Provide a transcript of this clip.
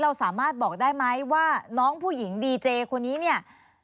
เราสามารถบอกได้ไหมว่าน้องผู้หญิงดีเจคนนี้เนี่ย